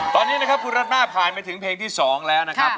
ตอนนี้นะครับคุณรัดหน้าผ่านไปถึงเพลงที่๒แล้วนะครับ